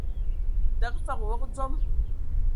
Təgə fəg wog dzom.